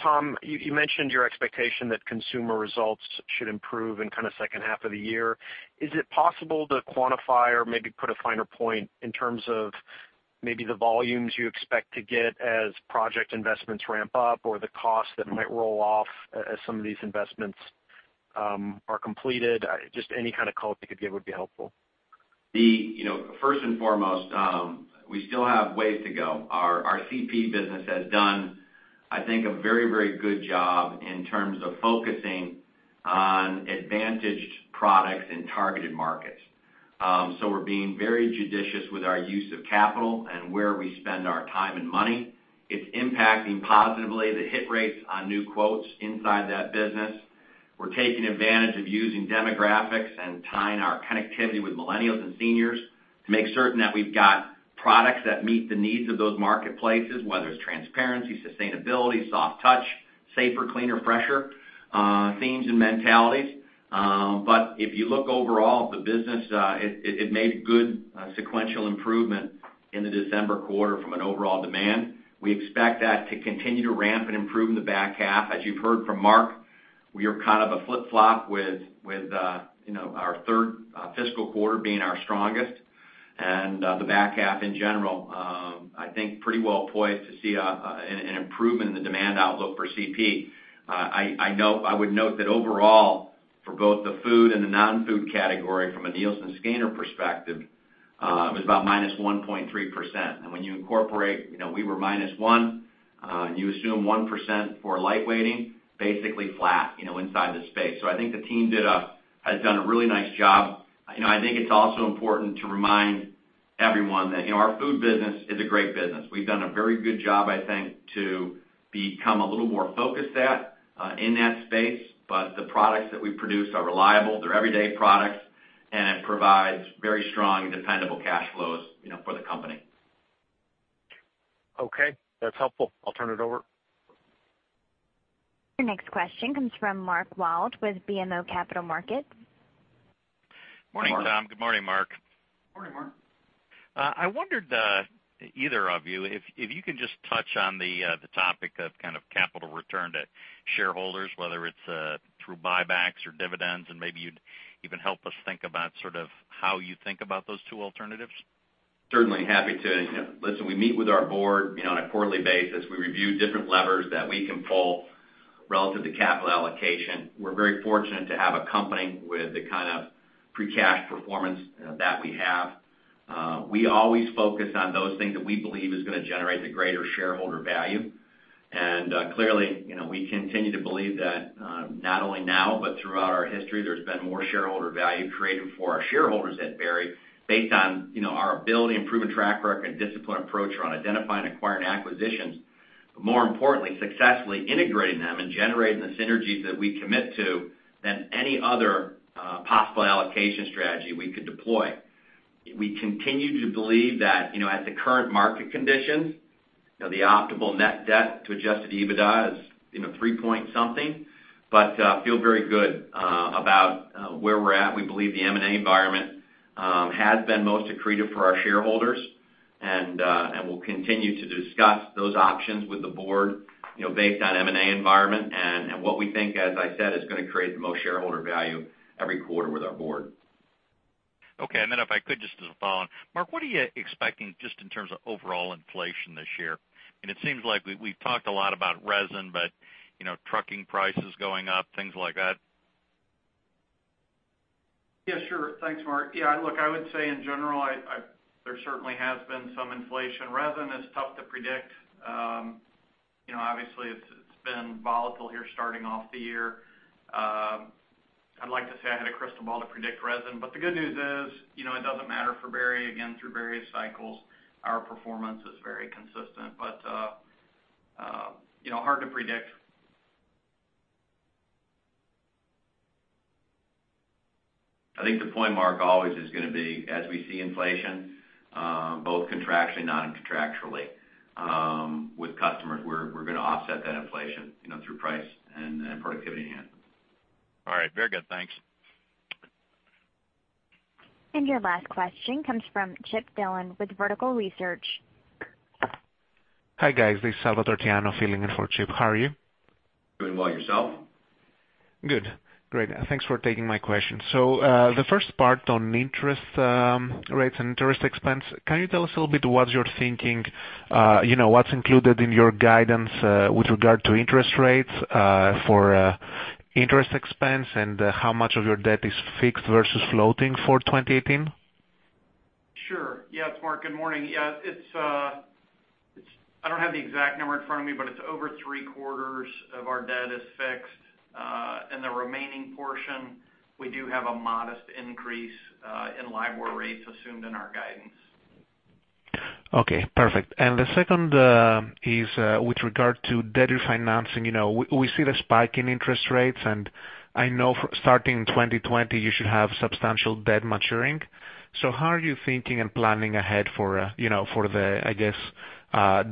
Tom, you mentioned your expectation that consumer results should improve in kind of second half of the year. Is it possible to quantify or put a finer point in terms of the volumes you expect to get as project investments ramp up, or the costs that might roll off as some of these investments are completed? Any kind of color you could give would be helpful. First and foremost, we still have ways to go. Our CP business has done, I think, a very good job in terms of focusing on advantaged products in targeted markets. We're being very judicious with our use of capital and where we spend our time and money. It's impacting positively the hit rates on new quotes inside that business. We're taking advantage of using demographics and tying our connectivity with millennials and seniors to make certain that we've got products that meet the needs of those marketplaces, whether it's transparency, sustainability, soft touch, safer, cleaner, fresher themes and mentalities. If you look overall at the business, it made good sequential improvement in the December quarter from an overall demand. We expect that to continue to ramp and improve in the back half. As you've heard from Mark, we are kind of a flip-flop with our third fiscal quarter being our strongest, and the back half in general, I think pretty well poised to see an improvement in the demand outlook for CP. I would note that overall, for both the food and the non-food category from a Nielsen scanner perspective, it was about -1.3%. When you incorporate, we were -1, and you assume 1% for lightweighting, basically flat inside the space. I think the team has done a really nice job. I think it's also important to remind everyone that our food business is a great business. We've done a very good job, I think, to become a little more focused in that space. The products that we produce are reliable. They're everyday products, and it provides very strong and dependable cash flows for the company. Okay. That's helpful. I'll turn it over. Your next question comes from Mark Wilde with BMO Capital Markets. Morning, Tom. Good morning, Mark. Morning, Mark. I wondered, either of you, if you can just touch on the topic of kind of capital return to shareholders, whether it's through buybacks or dividends, and maybe you'd even help us think about sort of how you think about those two alternatives. Certainly happy to. Listen, we meet with our board on a quarterly basis. We review different levers that we can pull relative to capital allocation. We're very fortunate to have a company with the kind of pre-cash performance that we have. We always focus on those things that we believe is going to generate the greater shareholder value. Clearly, we continue to believe that not only now, but throughout our history, there's been more shareholder value created for our shareholders at Berry based on our ability and proven track record and disciplined approach around identifying and acquiring acquisitions, but more importantly, successfully integrating them and generating the synergies that we commit to than any other possible allocation strategy we could deploy. We continue to believe that at the current market conditions, the optimal net debt to adjusted EBITDA is three point something, but feel very good about where we're at. We believe the M&A environment has been most accretive for our shareholders, and we'll continue to discuss those options with the board based on M&A environment and what we think, as I said, is going to create the most shareholder value every quarter with our board. Okay. If I could just as a follow-on. Mark, what are you expecting just in terms of overall inflation this year? It seems like we've talked a lot about resin, but trucking prices going up, things like that. Sure. Thanks, Mark. Look, I would say in general, there certainly has been some inflation. Resin is tough to predict. Obviously it's been volatile here starting off the year. I'd like to say I had a crystal ball to predict resin. The good news is, it doesn't matter for Berry. Again, through various cycles, our performance is very consistent, but hard to predict. I think the point, Mark, always is going to be, as we see inflation, both contractually and non-contractually with customers, we're going to offset that inflation through price and productivity gains. All right. Very good. Thanks. Your last question comes from Chip Dillon with Vertical Research. Hi, guys. This is Salvator Tiano filling in for Chip. How are you? Doing well. Yourself? Good. Great. Thanks for taking my question. The first part on interest rates and interest expense, can you tell us a little bit what you're thinking, what's included in your guidance, with regard to interest rates for interest expense and how much of your debt is fixed versus floating for 2018? Sure. Yeah. Mark, good morning. I don't have the exact number in front of me, but it's over three-quarters of our debt is fixed. The remaining portion, we do have a modest increase in LIBOR rates assumed in our guidance. Okay, perfect. The second is with regard to debt refinancing. We see the spike in interest rates, and I know starting 2020, you should have substantial debt maturing. How are you thinking and planning ahead for the, I guess,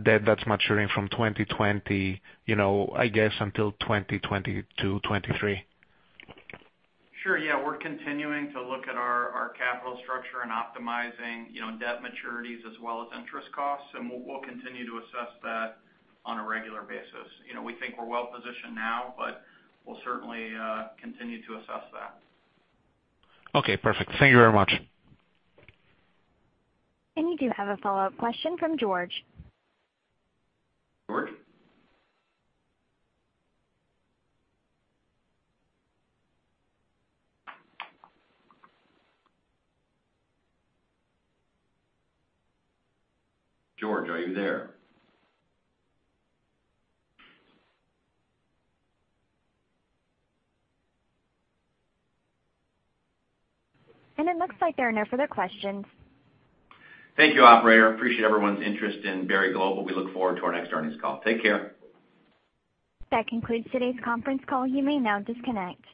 debt that's maturing from 2020 I guess until 2022, 2023? Sure, yeah. We're continuing to look at our capital structure and optimizing debt maturities as well as interest costs, we'll continue to assess that on a regular basis. We think we're well-positioned now, we'll certainly continue to assess that. Okay, perfect. Thank you very much. You do have a follow-up question from George. George? George, are you there? It looks like there are no further questions. Thank you, operator. Appreciate everyone's interest in Berry Global. We look forward to our next earnings call. Take care. That concludes today's conference call. You may now disconnect.